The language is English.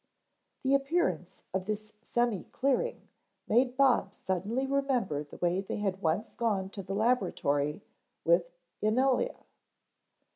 The appearance of this semi clearing made Bob suddenly remember the way they had once gone to the Laboratory with Ynilea.